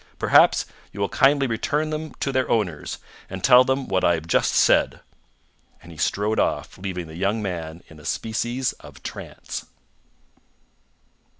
Perhaps you will kindly return them to their owners, and tell them what I have just said." And he strode off, leaving the young man in a species of trance.